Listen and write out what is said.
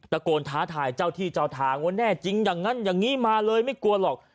ตะโกนท้าทายเจ้าที่เจ้าทางว่าแน่จริงอย่างนั้นอย่างนี้มาเลยไม่กลัวหรอก